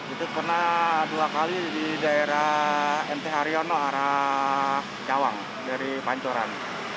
itu pernah dua kali di daerah mt haryono arah cawang dari pancoran